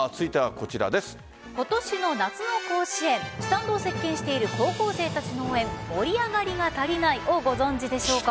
今年の夏の甲子園スタンドを席巻している高校生たちの応援盛り上がりが足りないをご存じでしょうか。